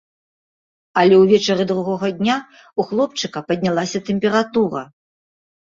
Але ўвечары другога дня ў хлопчыка паднялася тэмпература.